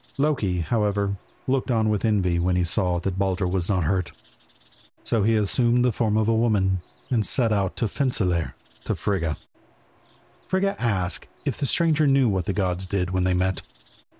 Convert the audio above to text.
Loki, however, looked on with envy when he saw that Baldur was not hurt. So he assumed the form of a woman, and set out to Fensalir to Frigga. Frigga asked if the stranger knew what the gods did when they met.